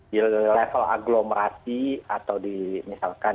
di level aglomerasi atau di misalkan